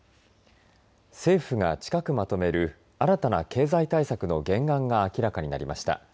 政府が近くまとめる新たな経済対策の原案が明らかになりました。